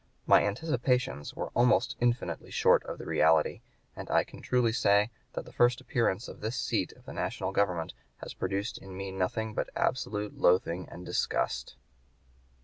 My anticipations were almost (p. 102) infinitely short of the reality, and I can truly say that the first appearance of this seat of the national government has produced in me nothing but absolute loathing and disgust."